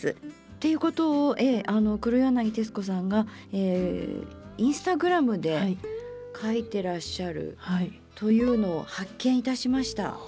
ということを黒柳徹子さんがインスタグラムで書いてらっしゃるというのを発見いたしました。